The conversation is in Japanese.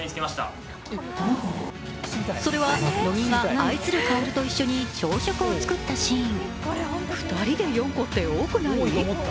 それは、乃木が愛する薫と一緒に朝食を作ったシーン。